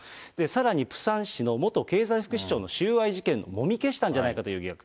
さらにプサン市の元経済副市長の収賄事件をもみ消したんじゃないかという疑惑。